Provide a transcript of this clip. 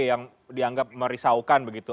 yang dianggap merisaukan begitu